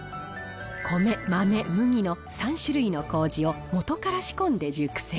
米、豆、麦の３種類のこうじを元から仕込んで熟成。